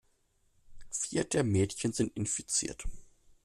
Vier der Mädchen sind infiziert.